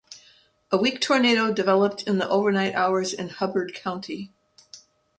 A weak tornado developed in the overnight hours in Hubbard County.